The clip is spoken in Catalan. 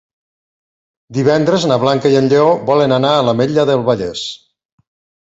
Divendres na Blanca i en Lleó volen anar a l'Ametlla del Vallès.